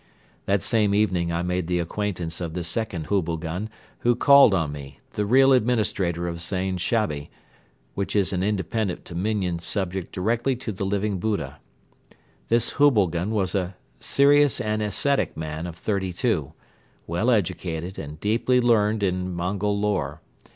That same evening I made the acquaintance of the second Hubilgan who called on me, the real administrator of Zain Shabi, which is an independent dominion subject directly to the Living Buddha. This Hubilgan was a serious and ascetic man of thirty two, well educated and deeply learned in Mongol lore.